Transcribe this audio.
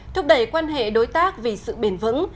thúc đẩy quan hệ đối tác vì sự bền vững